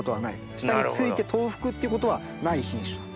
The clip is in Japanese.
下について倒伏っていうことはない品種なんです。